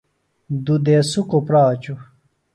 دُوۡ دیسُکوۡ پراچوۡ۔